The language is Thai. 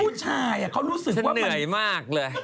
พูดชายเขาน่าจะเหนื่อยมากเลย